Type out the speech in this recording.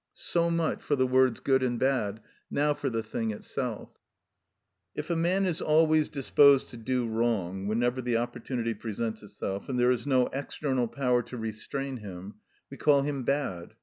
So much for the words good and bad; now for the thing itself. If a man is always disposed to do wrong whenever the opportunity presents itself, and there is no external power to restrain him, we call him bad.